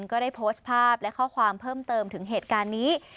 ก็ได้โพสต์ภาพและข้อความเพิ่มเติมถึงเหตุการณ์นี้